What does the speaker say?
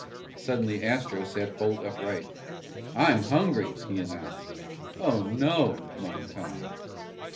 Suddenly Astro sat bolt upright. "I'm hungry!" he announced. "Oh, no!" moaned Tom.